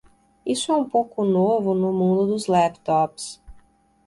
Isso é um pouco novo no mundo dos laptops.